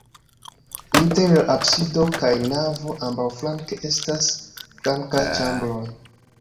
Inter la absido kaj navo ambaŭflanke estas flankaj ĉambroj.